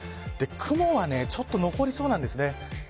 雲はちょっと残りそうなんですね。